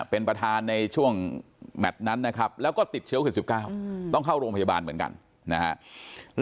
เป็นประธานในช่วงแมทนั้นนะครับแล้วก็ติดเชื้อโควิด๑๙ต้องเข้าโรงพยาบาลเหมือนกันนะฮะ